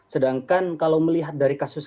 sedangkan kalau melihat dari kasus